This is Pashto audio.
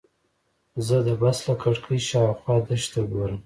زه د بس له کړکۍ شاوخوا دښتې ته ګورم.